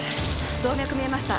動脈見えました